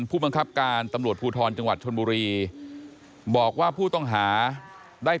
ผู้บังคับการตำรวจภูทรจังหวัดชนบุรีบอกว่าผู้ต้องหาได้